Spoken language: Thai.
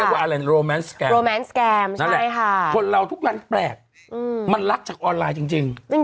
ใช่ค่ะนั่นแหละคนเราทุกร้านแปลกมันรักจากออนไลน์จริง